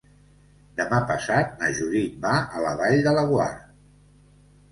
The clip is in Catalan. Demà passat na Judit va a la Vall de Laguar.